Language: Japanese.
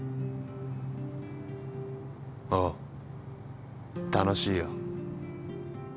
おう楽しいよ。